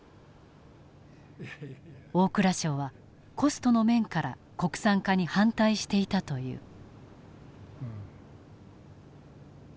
大蔵省はコストの面から国産化に反対していたという。